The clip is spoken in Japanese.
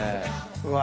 うわ。